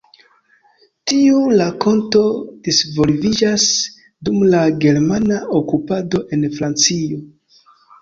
Tiu rakonto disvolviĝas dum la germana okupado en Francio.